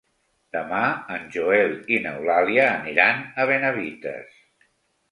Demà en Joel i n'Eulàlia aniran a Benavites.